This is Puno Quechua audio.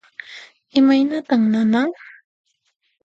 Imaynatan nanan?